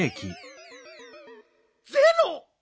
ゼロ！